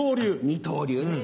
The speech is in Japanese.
二刀流ね。